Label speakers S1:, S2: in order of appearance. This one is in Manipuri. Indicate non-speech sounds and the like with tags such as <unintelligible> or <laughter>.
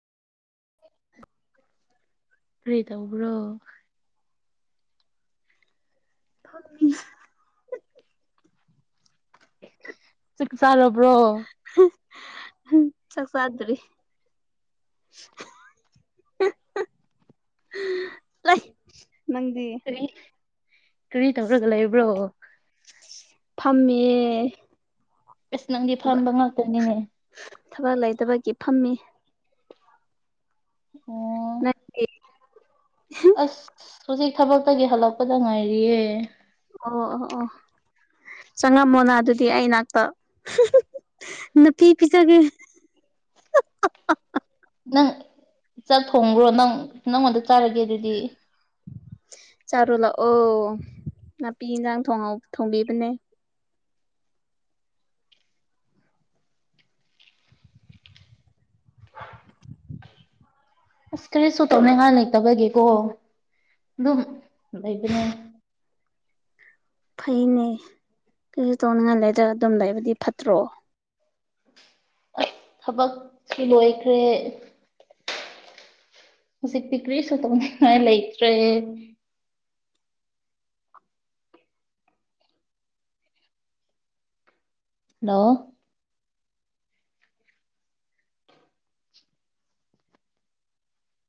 S1: ꯀꯦ ꯇꯧꯕ꯭ꯔꯣ
S2: ꯐꯝꯃꯤ
S1: ꯆ ꯆꯥꯔꯕ꯭ꯔꯣ
S2: ꯆꯁꯗꯔꯤ ꯂꯩ ꯅꯪꯗꯤ
S1: ꯀꯔꯤ ꯀꯔꯤ ꯇꯧꯔꯒ ꯂꯩꯕ꯭ꯔꯣ
S2: ꯐꯝꯃꯦ
S1: ꯑꯁ ꯅꯪꯗꯤ
S2: ꯊꯕ
S1: ꯐꯝꯕ ꯉꯥꯛꯇꯅꯤꯅꯦ
S2: ꯊꯕꯛ ꯂꯩ ꯊꯕꯛꯀꯤ ꯊꯝꯃꯤ
S1: ꯑꯣꯝ
S2: ꯅꯦ
S1: ꯑꯁ ꯍꯧꯖꯤꯛ ꯊꯕꯛꯇꯒꯤ ꯍꯜꯂꯛꯄꯗ ꯉꯥꯏꯔꯤꯌꯦ
S2: ꯑꯣ ꯑꯣ ꯑꯣ ꯆꯪꯉꯝꯃꯣꯅ ꯑꯗꯨꯗꯤ ꯑꯩꯅꯥꯛꯇ ꯅꯅꯥꯄꯤꯤ ꯄꯤꯖꯒꯦ
S1: <unintelligible> ꯅꯪ ꯆꯥꯛ ꯊꯣꯡꯕ꯭ꯔꯣ ꯅꯪ ꯅꯪꯉꯣꯟꯗ ꯆꯥꯔꯒꯦ ꯑꯗꯨꯗꯤ
S2: ꯆꯥꯔꯣ ꯂꯥꯛꯑꯣ ꯅꯥꯄꯤ ꯏꯟꯁꯥꯡ ꯊꯣꯡ ꯊꯣꯡꯕꯤꯕꯅꯦ
S1: ꯑꯁ ꯀꯔꯤ ꯁꯨ ꯇꯧꯅꯉꯍꯥꯟ ꯂꯩꯇꯕꯒꯦꯀꯣ ꯑꯅꯦ
S2: ꯐꯩꯅꯦ ꯀꯩꯁꯨ ꯇꯧꯅꯤꯡꯉꯥꯏ ꯂꯩꯗ꯭ꯔ ꯑꯗꯨꯝ ꯂꯩꯕꯨꯗꯤ ꯐꯠꯇ꯭ꯔꯣ
S1: ꯑꯁ ꯊꯕꯛꯁꯨ ꯂꯣꯏꯈ꯭ꯔꯦ ꯍꯨꯖꯤꯛꯇꯤ ꯀ꯭ꯔꯤꯁꯨ ꯇꯧꯅꯤꯉꯏ ꯂꯩꯇ꯭ꯔꯦ ꯍꯜꯂꯣ!